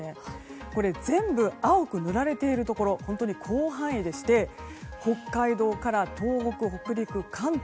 これ、全部青く塗られているところ本当に広範囲でして北海道から東北、北陸、関東